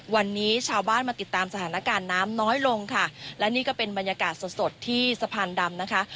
วันนี้ชาวบ้านมาติดตามสถานการณ์น้ำน้อยลงค่ะและนี่ก็เป็นบรรยากาศสดสดที่สะพานดำนะคะ